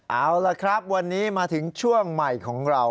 เอาละครับวันนี้มาถึงช่วงใหม่ของเรา